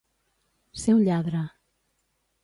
Ser un lladre.